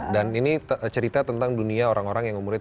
dan ini cerita tentang dunia orang orang yang umurnya tiga puluh an